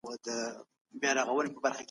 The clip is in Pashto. ساده ژوند کول ذهني ارامتیا راوړي.